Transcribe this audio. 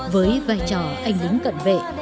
với vai trò anh lính cận vệ